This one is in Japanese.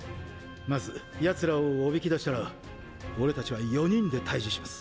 まず奴らをおびき出したら俺たちは４人で対峙します。